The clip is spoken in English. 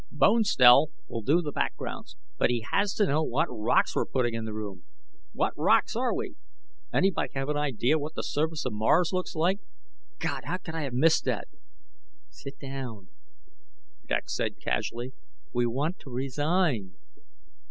"Bonestell will do the backgrounds, but he has to know what rocks we're putting in the rooms. What rocks are we? Anybody have an idea what the surface of Mars looks like? God, how could I have missed that?" "Sit down," Dex said casually, "we want to resign."